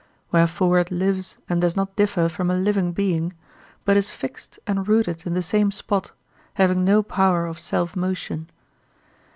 Wherefore it lives and does not differ from a living being, but is fixed and rooted in the same spot, having no power of self motion.